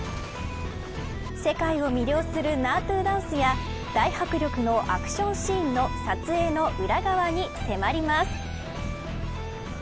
世界を魅了するナートゥダンスや大迫力のアクションシーンの撮影の裏側に迫ります。